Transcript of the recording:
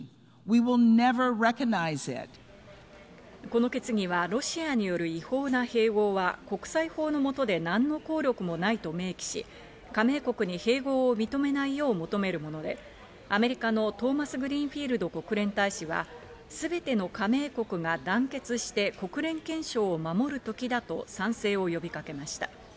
この決議は、ロシアによる違法な併合は国際法の下で何の効力もないと明記し、加盟国に併合を認めないよう求めるもので、アメリカのトーマスグリーンフィールド国連大使は、すべての加盟国が団結して国連憲章を守るときだと賛成を呼びかけました。